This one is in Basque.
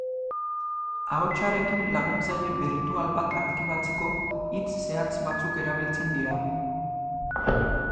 Ahotsarekin laguntzaile birtual bat aktibatzeko, hitz zehatz batzuk erabiltzen dira.